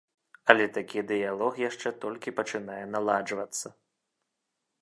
Але такі дыялог яшчэ толькі пачынае наладжвацца.